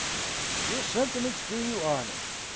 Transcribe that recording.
"Your sentiments do you honour!